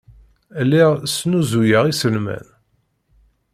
Lliɣ snuzuyeɣ iselman.